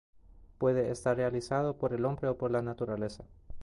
Puede estar realizado por el hombre o por la naturaleza.